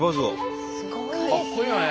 かっこいいよね。